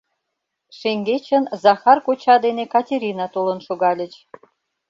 Шеҥгечын Захар коча дене Катерина толын шогальыч.